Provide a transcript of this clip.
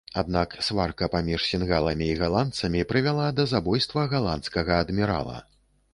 Аднак сварка паміж сінгаламі і галандцамі прывяла да забойства галандскага адмірала.